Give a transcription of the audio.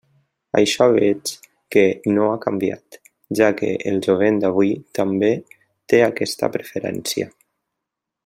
Això veig que no ha canviat, ja que el jovent d'avui també té aquesta preferència.